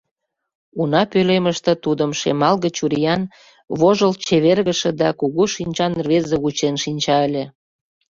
Уна пӧлемыште тудым шемалге чуриян, вожыл чевергыше да кугу шинчан рвезе вучен шинча ыле.